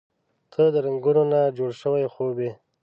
• ته د رنګونو نه جوړ شوی خوب یې.